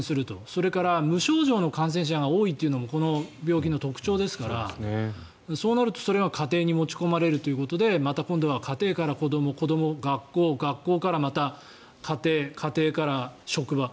それから無症状の感染者が多いのもこの病気の特徴ですからそうなるとそれが家庭に持ち込まれるということでまた今度は家庭から子ども子どもから学校学校からまた家庭家庭から職場。